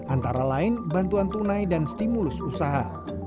antara lain bantuan tunai dan stimulus usaha